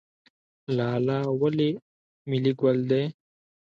لاله ولې ملي ګل دی؟